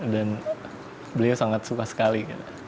dan beliau sangat suka sekali